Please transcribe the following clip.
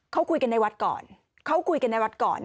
เขาคุยกันในวัดก่อน